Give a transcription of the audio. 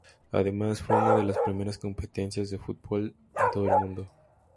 Además, fue una de las primeras competencias de fútbol en el mundo.